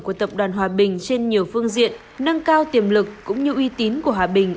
của tập đoàn hòa bình trên nhiều phương diện nâng cao tiềm lực cũng như uy tín của hòa bình